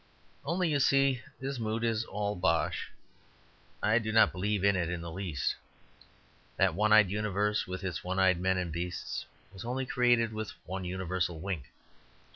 Only, you see, this mood is all bosh. I do not believe in it in the least. That one eyed universe, with its one eyed men and beasts, was only created with one universal wink.